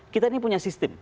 kita ini punya sistem